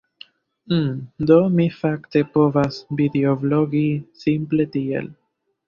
Um, do mi fakte povas videoblogi simple tiel.